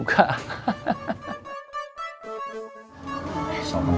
gak paham juga